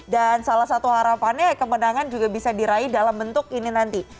dan salah satu harapannya kemenangan juga bisa diraih dalam bentuk ini nanti